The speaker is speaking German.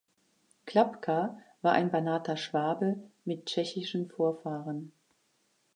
Klapka war ein Banater Schwabe mit tschechischen Vorfahren.